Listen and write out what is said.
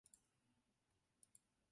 后由黄秉权接任。